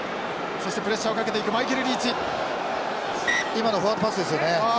今のフォワードパスですよね。